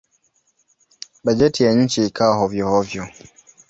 Bajeti ya nchi ikawa hovyo-hovyo.